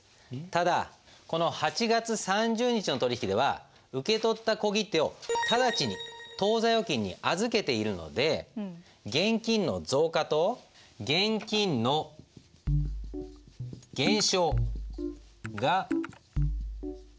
ただこの８月３０日の取引では受け取った小切手を直ちに当座預金に預けているので現金の増加と現金の減少が同時に起こっています。